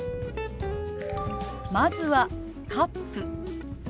まずは「カップ」。